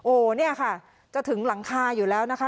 โอ้โหเนี่ยค่ะจะถึงหลังคาอยู่แล้วนะคะ